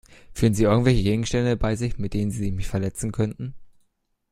Führen Sie irgendwelche Gegenstände bei sich, mit denen Sie mich verletzen könnten?